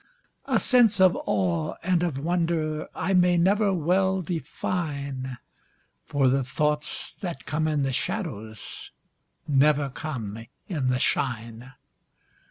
A sense of awe and of wonder I may never well define, For the thoughts that come in the shadows Never come in the shine.